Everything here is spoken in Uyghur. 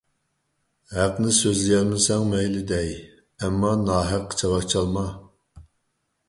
ھەقنى سۆزلىيەلمىسەڭ مەيلى دەي، ئەمما ناھەققە چاۋاك چالما!